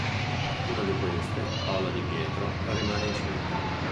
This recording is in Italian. Una di queste, Paola Di Pietro, rimane incinta.